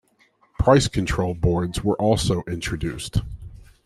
Price control boards were also introduced.